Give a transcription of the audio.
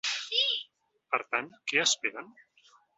Per tant, què esperen?